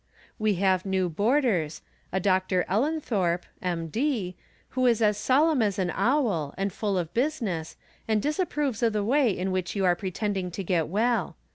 We have new boarders, a Dr. EUenthorpe, (M. D.), who is as solemn as an owl, and full of business, and disapproves of the way in which you are pretending to get well.